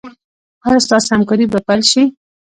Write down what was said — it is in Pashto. ایا ستاسو همکاري به پیل شي؟